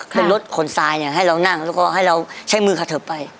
เป็นรถขนทรายเนี่ยให้เรานั่งแล้วก็ให้เราใช้มือขเทิบไป